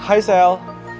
eh hai sel